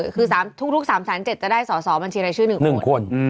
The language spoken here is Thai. คือทุกลูก๓สาร๗จะได้สอสอบัญชีไร้ชื่อ๑คน